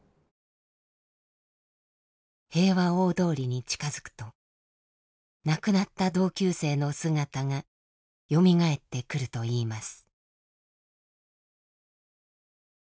平和大通りに近づくと亡くなった同級生の姿がよみがえってくるといいます。